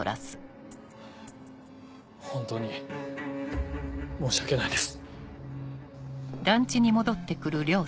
本当に申し訳ないです。